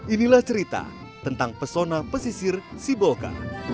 inilah cerita tentang pesona pesisir siboka